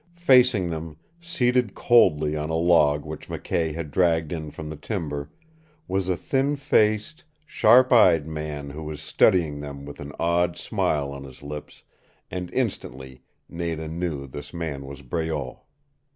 Facing them, seated coldly on a log which McKay had dragged in from the timber, was a thin faced sharp eyed man who was studying them with an odd smile on his lips, and instantly Nada knew this man was Breault.